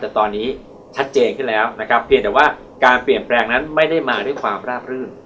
แต่ตอนนี้ชัดเจนขึ้นแล้วนะครับเพียงแต่ว่าการเปลี่ยนแปลงนั้นไม่ได้มาด้วยความราบรื่น